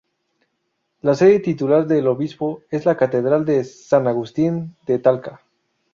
La sede titular del obispo es la catedral de San Agustín de Talca.